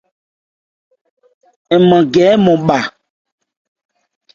An mân gɛ hɛ ɔ́nmɔn má.